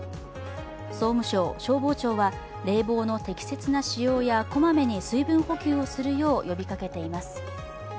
総務省消防庁は冷房の適切な使用やこまめに水分補給をするよう呼びかけています。